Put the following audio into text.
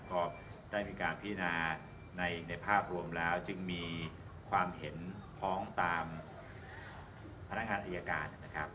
ก็ได้มีการพินาในภาพรวมแล้วจึงมีความเห็นพ้องตามพนักงานอายการนะครับ